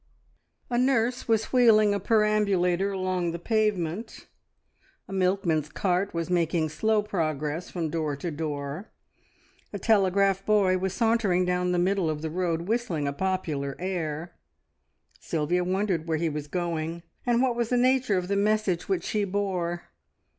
A nurse was wheeling a perambulator along the pavement, a milkman's cart was making slow progress from door to door, a telegraph boy was sauntering down the middle of the road whistling a popular air. Sylvia wondered where he was going, and what was the nature of the message which he bore.